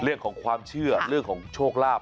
เรื่องของความเชื่อเรื่องของโชคลาภ